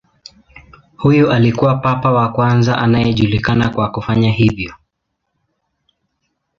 Huyu alikuwa papa wa kwanza anayejulikana kwa kufanya hivyo.